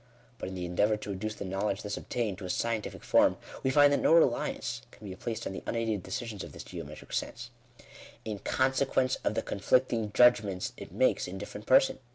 But in the endeavour to reduce the knowledge thus obtained to a scientific form, we find that no reliance can be placed on the unaided decisions of this geometric sense, in consequence of the conflicting judgments it makes in different persons.